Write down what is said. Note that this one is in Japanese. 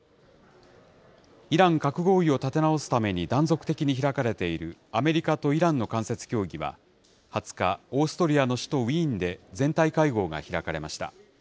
イラン核合意を立て直すために断続的に開かれているアメリカとイランの間接協議は、２０日、オーストリアの首都ウィーンで全体会合が開かれました。